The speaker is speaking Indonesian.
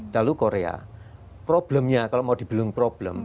lalu korea problemnya kalau mau dibelung problem